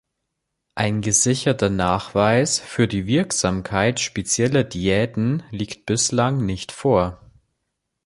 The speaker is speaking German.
Ein gesicherter Nachweis für die Wirksamkeit spezieller Diäten liegt bislang nicht vor.